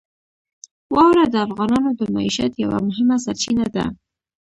واوره د افغانانو د معیشت یوه مهمه سرچینه ده.